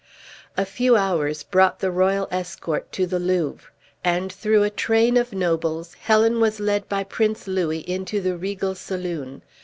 A few hours brought the royal escort to the Louvre; and through a train of nobles, Helen was led by Prince Louis into the regal saloon.